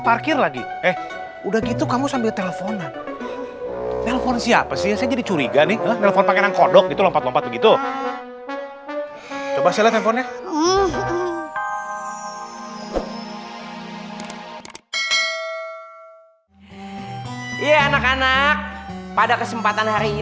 cantik cantik mundur lagi mundur lagi cantik cantik jadi nyanyi